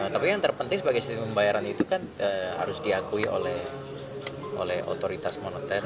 tapi yang terpenting sebagai sistem pembayaran itu kan harus diakui oleh otoritas moneter